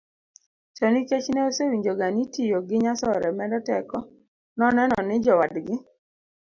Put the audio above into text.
to nikech ne osewinjoga ni tiyo gi nyasore medo teko noneno ni jowadgi